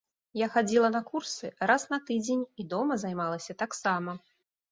Я хадзіла на курсы раз на тыдзень і дома займалася таксама.